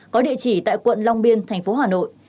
có địa chỉ tại quận long biên thành phố hà nội